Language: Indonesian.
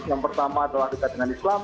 yang pertama adalah dekat dengan islam